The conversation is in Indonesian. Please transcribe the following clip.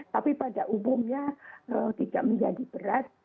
tapi pada umumnya tidak menjadi berat